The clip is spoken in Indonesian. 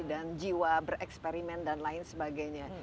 dan jiwa bereksperimen dan lain sebagainya